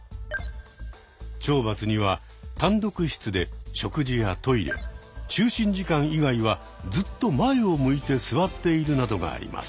懲罰には単独室で食事やトイレ就寝時間以外はずっと前を向いて座っているなどがあります。